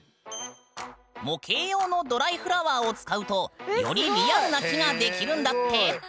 模型用のドライフラワーを使うとよりリアルな木が出来るんだって！